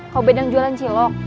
kamu bed yang jualan cilok